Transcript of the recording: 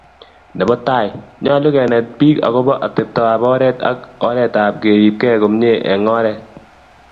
Nebo tai, nyalu kenet bike agobo ateptab oret ak oretap keripkei komie eng oret